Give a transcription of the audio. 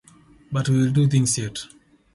But we will do things yet.